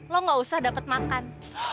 lo gak usah dapat makan